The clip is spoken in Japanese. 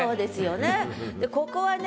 ここはね